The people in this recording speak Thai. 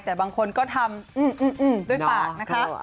แต่บางคนก็ทำด้วยปากนะคะ